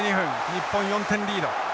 日本４点リード。